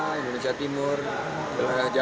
saya akan turun ke beberapa daerah di wilayah sumatera